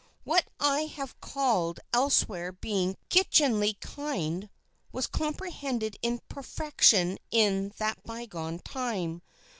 What I have called elsewhere being "kitchenly kind," was comprehended in perfection in that bygone time.